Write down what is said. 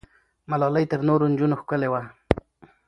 ملالۍ تر نورو نجونو ښکلې وه.